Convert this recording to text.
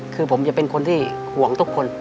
คือผมจะเป็นคนที่ห่วงทุกคน